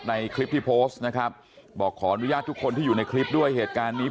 ในคลิปที่โพสต์นะครับบอกขออนุญาตทุกคนที่อยู่ในคลิปด้วยเหตุการณ์นี้